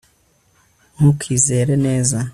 ntukizere neza